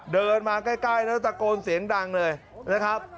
เดินมาใกล้แล้วตะโกนเสียงดังเลยนะครับ